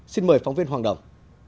xin mời phóng viên hoàng đồng